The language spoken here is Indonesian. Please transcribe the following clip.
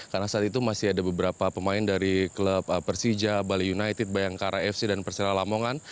karena saat itu masih ada beberapa pemain dari klub persija bali united bayangkara fc dan perserah lampung